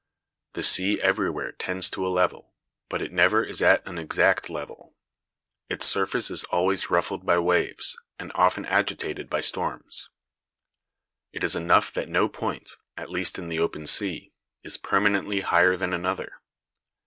The sea everywhere tends to a level, but it never is at an exact level; its surface is always ruffled by waves, and often agitated by storms. It is enough that no point, at least in the open sea, is permanently higher than another.